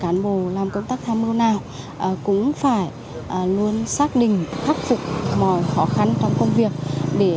cán bộ làm công tác tham mưu nào cũng phải luôn xác định khắc phục mọi khó khăn trong công việc để